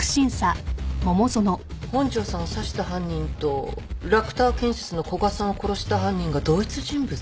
本庄さんを刺した犯人とラクター建設の古賀さんを殺した犯人が同一人物？